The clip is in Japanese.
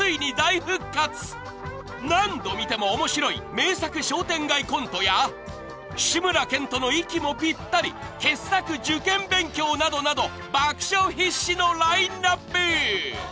［何度見ても面白い名作商店街コントや志村けんとの息もぴったり傑作受験勉強などなど爆笑必至のラインアップ！］